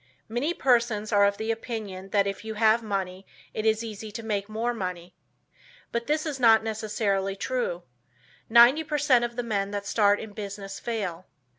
Many persons are of the opinion that if you have money it is easy to make more money. But this is not necessarily true. Ninety per cent of the men that start in business fail.